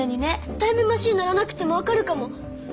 タイムマシン乗らなくても分かるかもえっ？